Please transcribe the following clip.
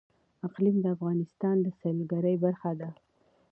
اقلیم د افغانستان د سیلګرۍ برخه ده.